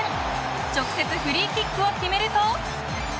直接フリーキックを決めると。